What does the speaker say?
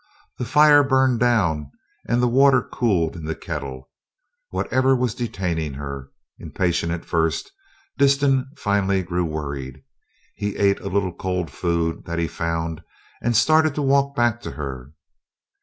The fire burned down and the water cooled in the kettle. Whatever was detaining her? Impatient at first, Disston finally grew worried. He ate a little cold food that he found, and started to walk back to her.